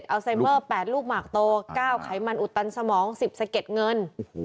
ไซเมอร์๘ลูกหมากโต๙ไขมันอุดตันสมอง๑๐สะเก็ดเงิน